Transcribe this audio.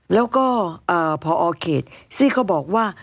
แล้วก็พอเขตซึ่งเขาบอกว่า